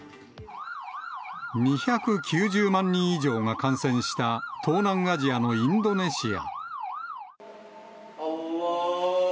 ２９０万人以上が感染した東南アジアのインドネシア。